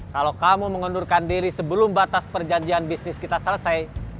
kalau kamu mengundurkan diri sebelum batas perjanjian bisnis kita selesai